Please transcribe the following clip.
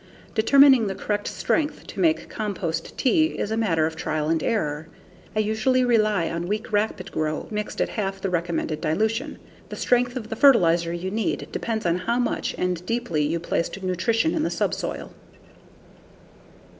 Determining the correct strength to make compost tea is a matter of trial and error. I usually rely on weak Rapid Gro mixed at half the recommended dilution. The strength of the fertilizer you need depends on how much and deeply you placed nutrition in the subsoil.